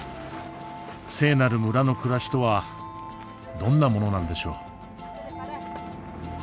聖なる村の暮らしとはどんなものなんでしょう？